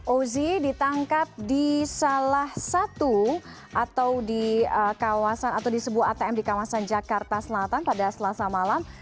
ozi ditangkap di salah satu atau di kawasan atau di sebuah atm di kawasan jakarta selatan pada selasa malam